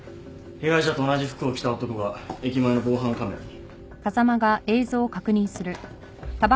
被害者と同じ服を着た男が駅前の防犯カメラに。